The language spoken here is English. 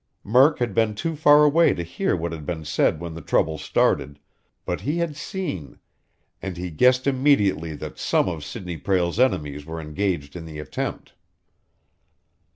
Murk had been too far away to hear what had been said when the trouble started, but he had seen, and he guessed immediately that some of Sidney Prale's enemies were engaged in the attempt.